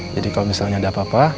jadi kalau misalnya ada apa apa